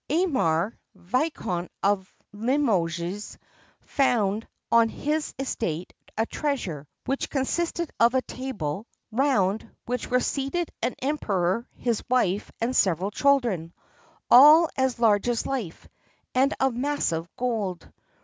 [XXXII 35] Aymar, Viscount of Limoges, found on his estate a treasure, which consisted of a table, round which were seated an emperor, his wife, and several children all as large as life, and of massive gold.